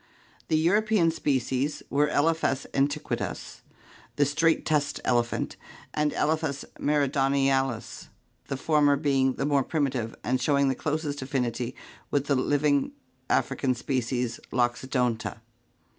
The European species were Elephas antiquus, the straight tusked elephant, and Elephas meridionalts, the former being the more primitive and showing the closest affinity with the living African species Loxodonta.